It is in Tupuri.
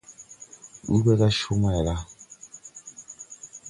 Ndu ɓɛ gá Comayla.